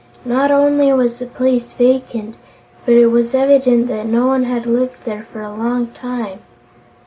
Not only was the place vacant, but it was evident that no one had lived there for a long time.